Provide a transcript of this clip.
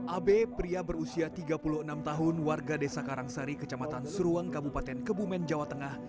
abe pria berusia tiga puluh enam tahun warga desa karangsari kecamatan seruang kabupaten kebumen jawa tengah